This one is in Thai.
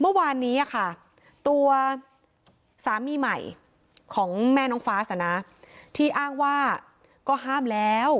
เมื่อวานนี้ค่ะตัวสามีใหม่ของแม่น้องฟ้าสนะที่อ้างว่าก็ห้ามแล้ว